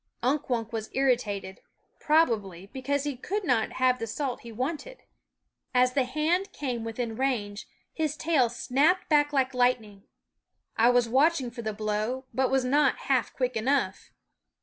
Unk Wunk was irritated, probably, because he could not have the salt he wanted. As the hand came within range, his tail snapped back like lightning. I was watching for the blow, but was not half quick enough.